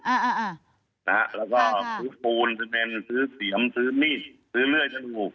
อ่าอ่าแล้วก็ซื้อฟูนซื้อเม็ดซื้อเสียมซื้อมีดซื้อเลื่อย